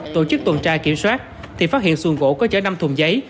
tổ chức tuần tra kiểm soát thì phát hiện xuồng gỗ có chở năm thùng giấy